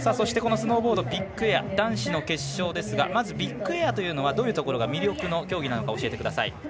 スノーボードビッグエア男子の決勝ですがまず、ビッグエアというのはどういうところが魅力の競技なのか教えてください。